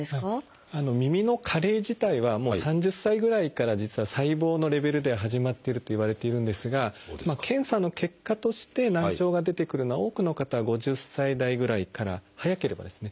耳の加齢自体はもう３０歳ぐらいから実は細胞のレベルでは始まっているといわれているんですが検査の結果として難聴が出てくるのは多くの方は５０歳代ぐらいから早ければですね。